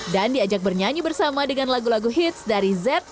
dan diajak bernyanyi bersama dengan lagu lagu hits dari zed